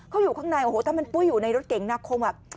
เขาอยู่ข้างในโอ้โหถ้ามันปุ้ยอยู่ในรถเก่งนาคมอ่ะ